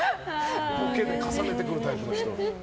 ボケで重ねてくるタイプの人だ。